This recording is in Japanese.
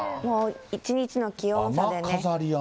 一日の気温差でね。